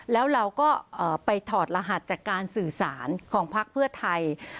แล้วเราก็ไปถอดรหัสจากการสื่อสารของพักเพื่อไทย